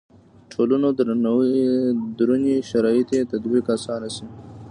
ټولنو دروني شرایطو تطبیق اسانه شي.